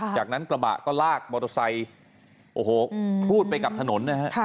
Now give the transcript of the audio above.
จากนั้นกระบะก็ลากมอโตซัยโอ้โหพูดไปกลับถนนนะฮะ